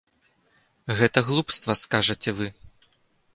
Гэта глупства, скажаце вы.